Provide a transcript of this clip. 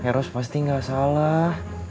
heros pasti gak salah